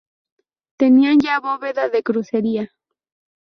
Tenían ya bóveda de crucería.